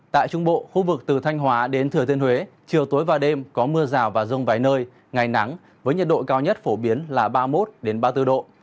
tại trung bộ khu vực từ thanh hóa đến thừa thiên huế chiều tối và đêm có mưa rào và rông vài nơi ngày nắng với nhiệt độ cao nhất phổ biến là ba mươi một ba mươi bốn độ